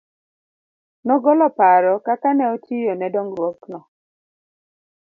Nogolo paro kaka ne otiyo ne dong'ruok no.